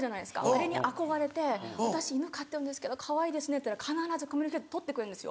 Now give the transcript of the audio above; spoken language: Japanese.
あれに憧れて「私犬飼ってるんですけどかわいいですね」って言ったら必ずコミュニケーション取ってくれるんですよ。